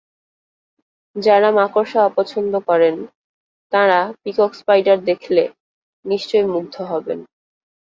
যাঁরা মাকড়সা অপছন্দ করেন, তাঁরা পিকক স্পাইডার দেখলে নিশ্চয়ই মুগ্ধ হবেন।